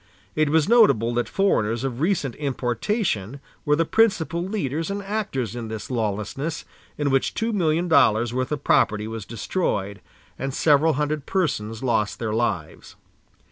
It was notable that foreigners of recent importation were the principal leaders and actors in this lawlessness in which two million dollars worth of property was destroyed, and several hundred persons lost their lives.